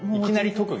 特技。